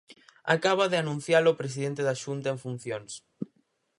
Acaba de anuncialo o presidente da Xunta en funcións.